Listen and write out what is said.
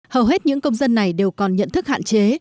hầu hết những công dân này đều còn nhận thức hạn chế